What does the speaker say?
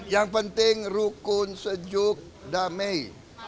yang penting rukun sejuk damai